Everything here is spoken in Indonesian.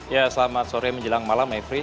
ya selamat sore menjelang malam mevri